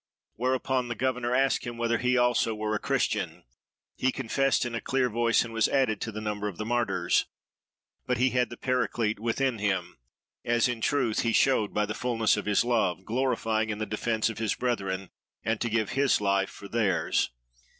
Whereupon the governor asked him whether he also were a Christian. He confessed in a clear voice, and was added to the number of the Martyrs. But he had the Paraclete within him; as, in truth, he showed by the fulness of his love; glorying in the defence of his brethren, and to give his life for theirs.